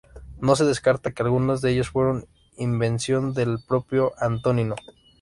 No se descarta que algunos de ellos fueran invención del propio Antonino.